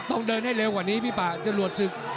ต้องเดินให้เร็วกว่านี้พี่ป่าจรวดศึก